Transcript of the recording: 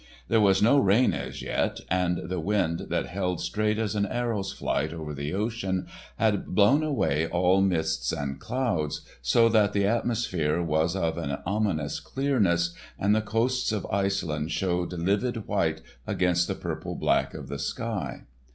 There was no rain as yet, and the wind that held straight as an arrow's flight over the ocean, had blown away all mists and clouds, so that the atmosphere was of an ominous clearness, and the coasts of Iceland showed livid white against the purple black of the sky.